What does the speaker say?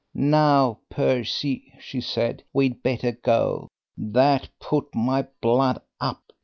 'Now, Percy,' she said, 'we'd better go.' That put my blood up.